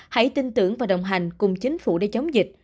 hãy tin tưởng và đồng hành cùng chính phủ để chống dịch